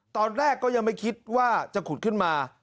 ตอนแรกก็ยังไม่คิดว่าจะขุดขึ้นมา